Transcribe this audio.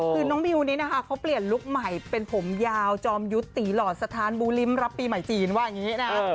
คือน้องบิวนี้นะคะเขาเปลี่ยนลุคใหม่เป็นผมยาวจอมยุทธ์ตีหลอดสถานบูลิ้มรับปีใหม่จีนว่าอย่างนี้นะ